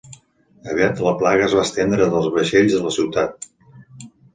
Aviat la plaga es va estendre dels vaixells a la ciutat.